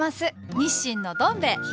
日清のどん兵衛東？